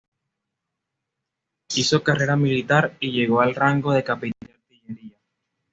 Hizo carrera militar y llegó al rango de capitán de artillería.